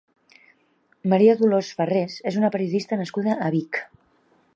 Maria Dolors Farrés és una periodista nascuda a Vic.